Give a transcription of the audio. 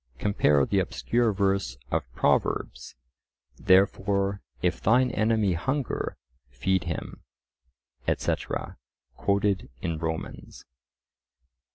(Compare the obscure verse of Proverbs, "Therefore if thine enemy hunger, feed him," etc., quoted in Romans.)